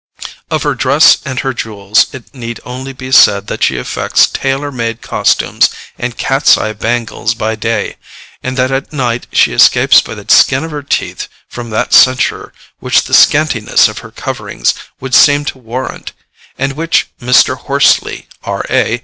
Of her dress and her jewels it need only be said that she affects tailor made costumes and cat's eye bangles by day, and that at night she escapes by the skin of her teeth from that censure which the scantiness of her coverings would seem to warrant, and which Mr. HORSLEY, R.A.